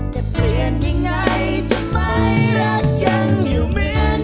จะเปลี่ยนยังไงทำไมรักยังอยู่เหมือน